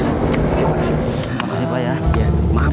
astaghfirullahaladzim allah wabarakatuh